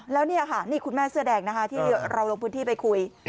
แล้วนี่คุณแม่เสื้อแดงที่เราลงพื้นที่ไปคุย